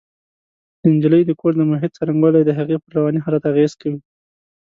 د نجلۍ د کور د محیط څرنګوالی د هغې پر رواني حالت اغېز کوي